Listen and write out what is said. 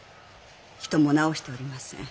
人も治しておりません。